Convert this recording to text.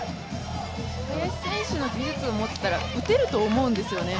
林選手の技術を持っていたら打てると思うんですよね。